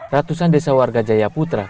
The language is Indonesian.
ratusan desa warga jaya putra